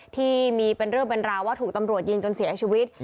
ที่มีเป็นเรื่องเป็นราวว่าถูกตำรวจยิงจนเสียชีวิต